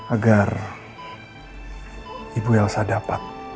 agar ibu elsa dapat